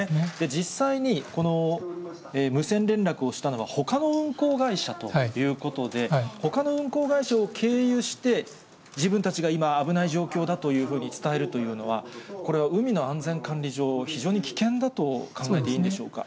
実際にこの無線連絡をしたのが、ほかの運航会社ということで、ほかの運航会社を経由して、自分たちが今、危ない状況だというふうに伝えるというのは、これは海の安全管理上、非常に危険だと考えていいんでしょうか。